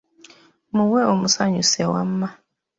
Muwe omusanyuse wamma.